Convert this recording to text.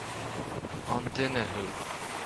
An duine thú?